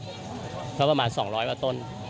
เรียกว่าประมาณ๒๐๐ว่าต้น